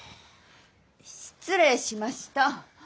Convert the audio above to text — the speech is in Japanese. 失礼しました。